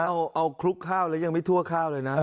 เอาคลุกข้าวแล้วยังไม่ทั่วข้าวเลยนะ